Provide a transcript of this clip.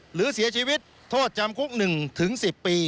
หรือเสียชีวิตโทษจำคุก๑๑๐ปี